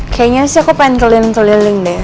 kayaknya sih aku pengen keliling keliling deh